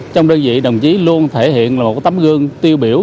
trong đơn vị đồng chí luôn thể hiện một tấm gương tiêu biểu